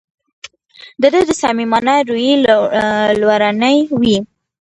د ده د صمیمانه رویې لورونې وې.